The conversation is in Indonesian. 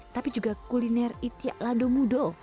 tapi juga kuliner itiak lado mudo